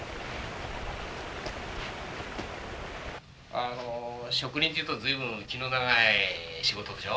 あの植林というと随分気の長い仕事でしょ。